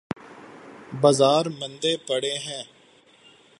بازار مندے پڑے ہیں۔